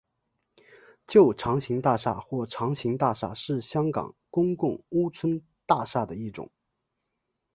旧长型大厦或长型大厦是香港公共屋邨大厦的一种。